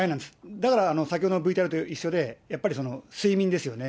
だから、先ほどのＶＴＲと一緒で、やっぱり睡眠ですよね。